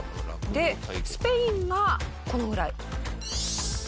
でスペインがこのぐらい。